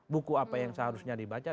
buku apa yang seharusnya di rekomendasikan